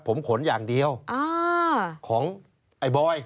ผมขนอย่างเดียวของไอ้บอย